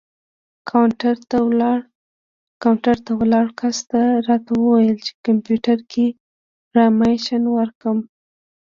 کاونټر ته ولاړ کس راته وویل چې کمپیوټر کې فرمایش ورکړم.